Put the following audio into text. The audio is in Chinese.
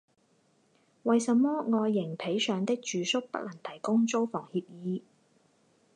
为什么爱迎彼上的住宿不能提供租房协议？